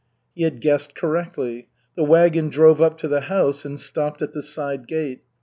He had guessed correctly. The wagon drove up to the house and stopped at the side gate.